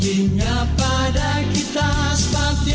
hanya pada kita sepati